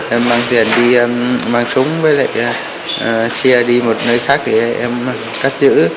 em mang tiền đi em mang súng với lại xe đi một nơi khác để em cắt giữ